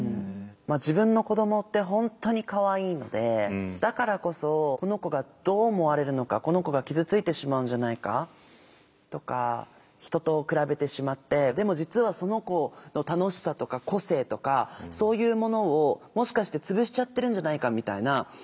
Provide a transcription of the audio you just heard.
自分の子どもって本当にかわいいのでだからこそこの子がどう思われるのかこの子が傷ついてしまうんじゃないかとか人と比べてしまってでも実はその子の楽しさとか個性とかそういうものをもしかして潰しちゃってるんじゃないかみたいな。